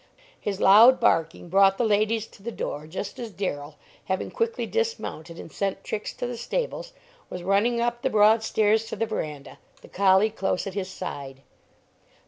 His loud barking brought the ladies to the door just as Darrell, having quickly dismounted and sent Trix to the stables, was running up the broad stairs to the veranda, the collie close at his side.